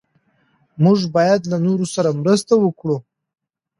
موږ باید له نورو سره مرسته وکړو.